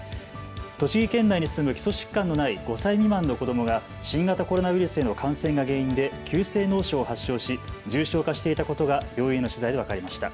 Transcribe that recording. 栃木県内に住む基礎疾患のない５歳未満の子どもが新型コロナウイルスへの感染が原因で急性脳症を発症し重症化していたことが病院の取材で分かりました。